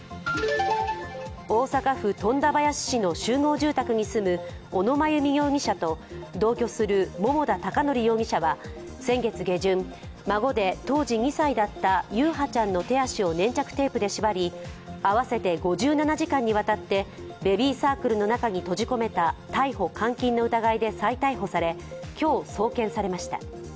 大阪府富田林市の集合住宅に住む小野真由美容疑者と同居する桃田貴徳容疑は先月下旬、孫で当時２歳だった優陽ちゃんの手足を粘着テープで縛り併せて５７時間にわたってベビーサークルの中に閉じ込めた逮捕・監禁の疑いで再逮捕され、今日、送検されました。